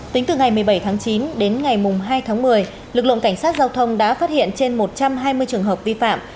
tính từ ngày một mươi bảy tháng chín đến ngày hai tháng một mươi lực lượng cảnh sát giao thông đã phát hiện trên một trăm hai mươi trường hợp vi phạm